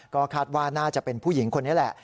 ก็คาดว่าน่าจะเป็นผู้หญิงคนนี้แหละ